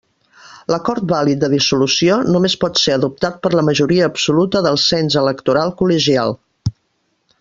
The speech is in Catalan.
L'acord vàlid de dissolució només pot ser adoptat per la majoria absoluta del cens electoral col·legial.